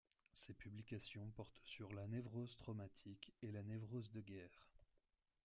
Ses publications portent sur la névrose traumatique et la névrose de guerre.